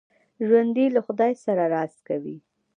ژوندي له خدای سره راز کوي